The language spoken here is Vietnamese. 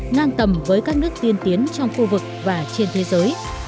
ngang tầm với các nước tiên tiến trong khu vực và trên thế giới